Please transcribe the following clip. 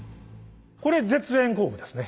これ絶縁工具ですね。